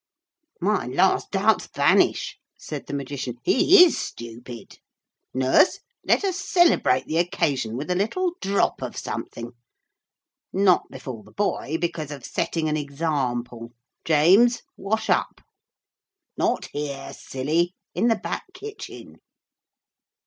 'My last doubts vanish,' said the Magician, 'he is stupid. Nurse, let us celebrate the occasion with a little drop of something. Not before the boy because of setting an example. James, wash up. Not here, silly; in the back kitchen.'